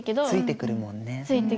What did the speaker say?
ついてくるもんね。